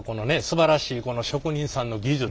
すばらしいこの職人さんの技術。